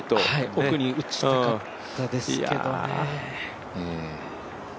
奥に打ちたかったですけどね。